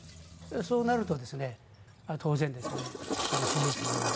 そうなると、当然支持率も上がる。